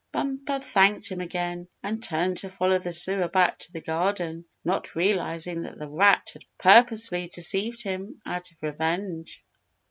Bumper thanked him again, and turned to follow the sewer back to the garden, not realizing that the Rat had purposely deceived him out of revenge.